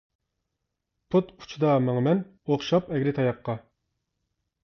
پۇت ئۇچىدا ماڭىمەن، ئوخشاپ ئەگرى تاياققا.